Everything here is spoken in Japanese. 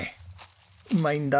うまいんだ。